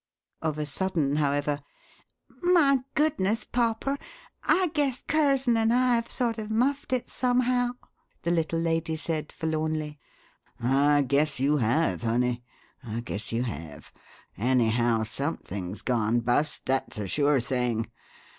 Of a sudden, however: "My goodness, popper, I guess Curzon and I have sort of muffed it somehow!" the little lady said, forlornly. "I guess you have, honey I guess you have. Anyhow, something's gone bust, that's a sure thing!